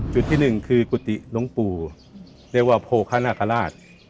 จุดที่หนึ่งคือกุฏิลงปู่เรียกว่าโพฆะนาการาช